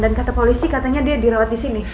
dan kata polisi katanya dia direwat di sini